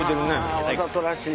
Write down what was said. わわざとらしい。